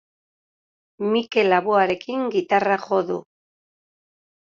Mikel Laboarekin gitarra jo du.